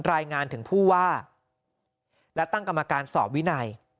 รายงานถึงผู้ว่าและตั้งกรรมการสอบวินัย